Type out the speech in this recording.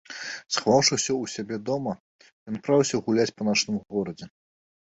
Схаваўшы ўсё ў сябе дома, ён адправіўся гуляць па начным горадзе.